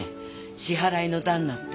支払いの段になって。